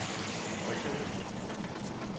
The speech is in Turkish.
Başarırsın.